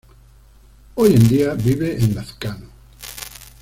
Hoy en día vive en Lazcano.